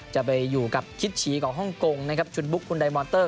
จะไปอยู่กับคิดฉีกของฮ่องกงชุนบุคคุณไดมอนเตอร์